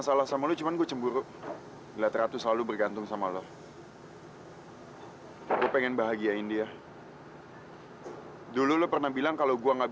sampai jumpa di video selanjutnya